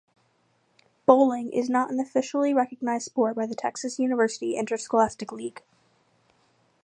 Bowling is not an officially recognized sport by the Texas University Interscholastic League.